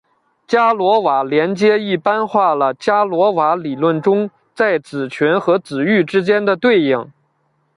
伽罗瓦连接一般化了伽罗瓦理论中在子群和子域之间的对应。